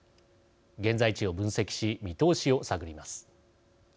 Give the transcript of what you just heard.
現在地を分析し見通しを探ります。